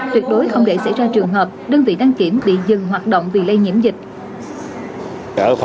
tuyệt đối không để xảy ra trường hợp đơn vị đăng kiểm bị dừng hoạt động vì lây nhiễm dịch